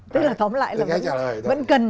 tức là tóm lại là vẫn cần